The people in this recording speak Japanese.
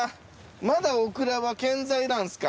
まだオクラは健在なんすか？